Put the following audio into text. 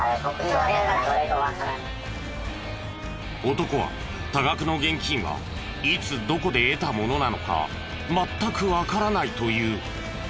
男は多額の現金はいつどこで得たものなのか全くわからないという。